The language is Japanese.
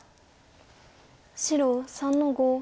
白３の五。